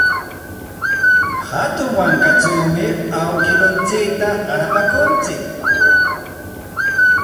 Hatun wankachawmi awkilluntsikta qarapaakuntsik.